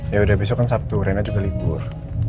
yaudah besok kan sabtu rena juga libur